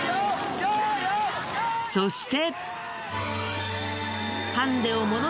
そして。